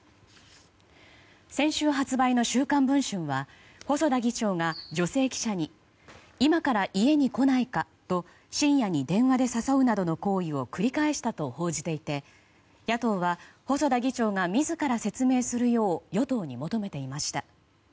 先週発売の「週刊文春」は細田議長が女性記者に今から家に来ないかと深夜に電話で誘うなどの行為を繰り返したと報じていて野党は、細田議長が自ら説明するよう与党に求めていました。